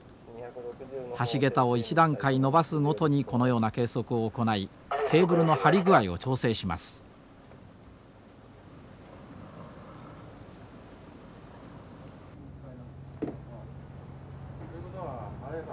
橋桁を１段階延ばすごとにこのような計測を行いケーブルの張り具合を調整します。ということはあれか。